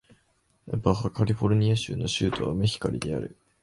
バハ・カリフォルニア州の州都はメヒカリである